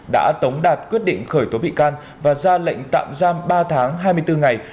đã tống đạt quyết định khởi tố bị can và ra lệnh tạm giam ba tháng hai mươi bốn ngày